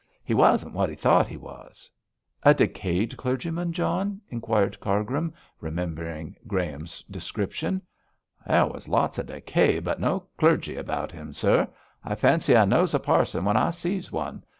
'He wasn't what he thought he was.' 'A decayed clergyman, John?' inquired Cargrim, remembering Graham's description. 'There was lots of decay but no clergy about him, sir. I fancy I knows a parson when I sees one.